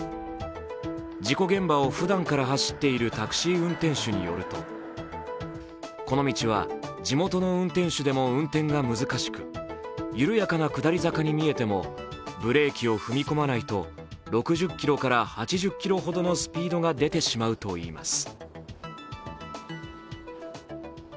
事故現場をふだんから走っているタクシー運転手によると、この道は地元の運転手でも運転が難しく緩やかな下り坂に見えてもブレーキを踏み込まないと６０キロから８０キロほどのスピードが出てしまうといいます。